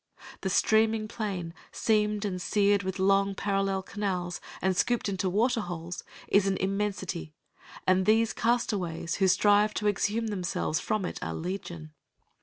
The streaming plain, seamed and seared with long parallel canals and scooped into water holes, is an immensity, and these castaways who strive to exhume themselves from it are legion.